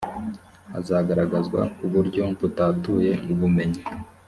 hagaragazwa kuburyo butatuye ubumenyi